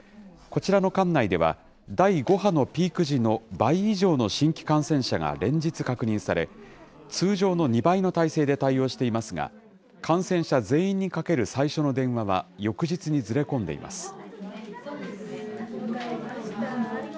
こちらの管内では、第５波のピーク時の倍以上の新規感染者が連日確認され、通常の２倍の体制で対応していますが、感染者全員にかける最初の電話は翌日にずれ込んでいます。